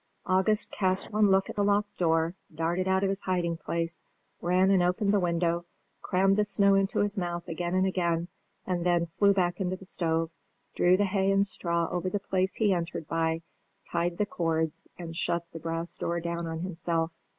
August cast one look at the locked door, darted out of his hiding place, ran and opened the window, crammed the snow into his mouth again and again, and then flew back into the stove, drew the hay and straw over the place he entered by, tied the cords, and shut the brass door down on himself.